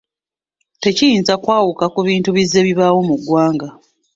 Tekiyinza kwawuka ku bintu bizze bibaawo mu ggwanga.